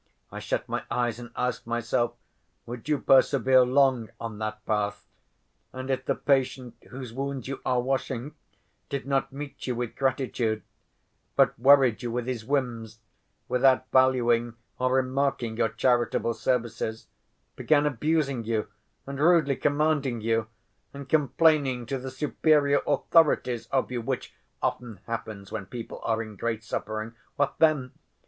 I shut my eyes and ask myself, 'Would you persevere long on that path? And if the patient whose wounds you are washing did not meet you with gratitude, but worried you with his whims, without valuing or remarking your charitable services, began abusing you and rudely commanding you, and complaining to the superior authorities of you (which often happens when people are in great suffering)—what then?